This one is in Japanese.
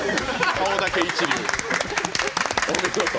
顔だけ一流。